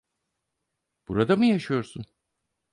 Burada mı yaşıyorsun?